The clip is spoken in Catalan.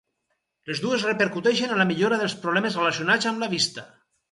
Les dues repercuteixen en la millora dels problemes relacionats amb la vista.